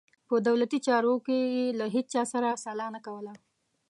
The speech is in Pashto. په دولتي چارو کې یې له هیچا سره سلا نه کوله.